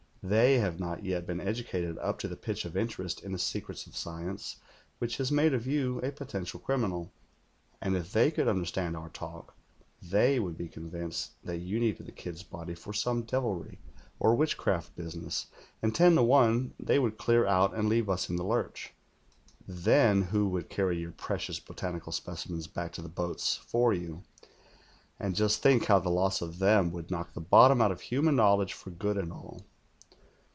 They have not yet been educated up to the pitch of interest in the secrets of science which has made of you a potential criminal, and if they could understand our talk, they would be convinced that you needed the kid's body for some devilry or witchcraft business, and ten to one they would clear out and leave us in the lurch. Then who would carry your precious botanical specimens back to the lioats for you, and just think how the loss of them would knock the bottom out of human knowledge for good and all.'